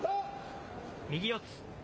右四つ。